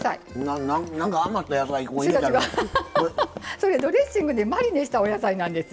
それドレッシングでマリネしたお野菜なんですよ。